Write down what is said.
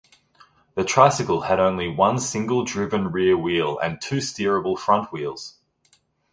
The tricycle had only one single driven rear wheel and two steerable front wheels.